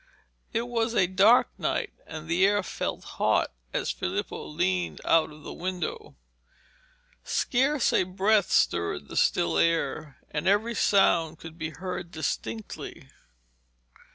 It was a dark night, and the air felt hot as Filippo leaned out of the window. Scarce a breath stirred the still air, and every sound could be heard distinctly.